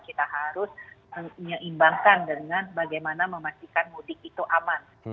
kita harus menyeimbangkan dengan bagaimana memastikan mudik itu aman